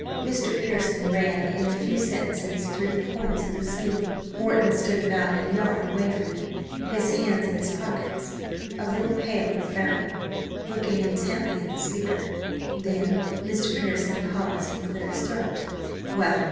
Mr. Pearson ran in a few sentences through the points of the scheme. Wharton stood about a yard away from him, his hands in his pockets, a little pale and frowning looking intently at the speaker. Then Mr. Pearson paused and cleared his throat. Well!